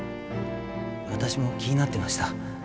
私も気になってました。